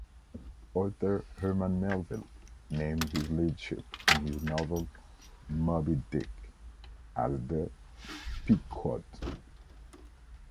Author Herman Melville named his lead ship in his novel "Moby-Dick" as the "Pequod".